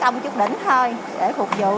không chút đỉnh thôi để phục vụ